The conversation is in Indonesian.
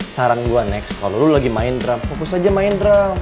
saran gue next kalo lo lagi main drum fokus aja main drum